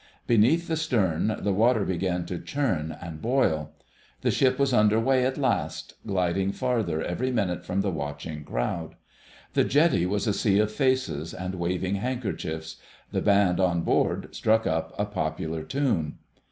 Beneath the stern the water began to churn and boil. The ship was under way at last, gliding farther every minute from the watching crowd. The jetty was a sea of faces and waving handkerchiefs: the band on board struck up a popular tune.